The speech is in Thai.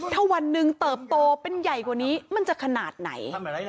ถ้าวันหนึ่งเติบโตเป็นใหญ่กว่านี้มันจะขนาดไหน